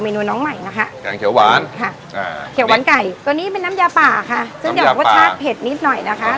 ถี่หีกหวานไก่ตัวนี้เป็นน้ำยาป่าค่ะซึ่งยาวรสชาติเผ็ดนิดหน่อยนะคะ